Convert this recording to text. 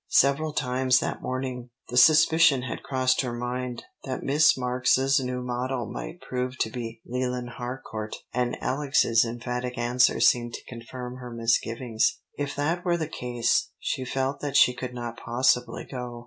Several times that morning the suspicion had crossed her mind that Miss Marks's new model might prove to be Leland Harcourt, and Alex's emphatic answer seemed to confirm her misgivings. If that were the case she felt that she could not possibly go.